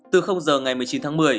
từ giờ ngày một mươi chín tháng một mươi